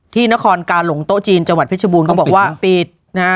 นครกาหลงโต๊ะจีนจังหวัดเพชรบูรณเขาบอกว่าปิดนะฮะ